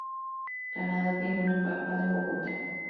Canadá tiene una embajada en Bogotá.